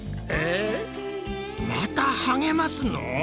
またはげますの？